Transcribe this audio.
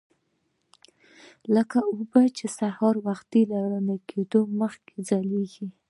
لکه اوبه چې سهار وختي له رڼا کېدو مخکې ځلیږي.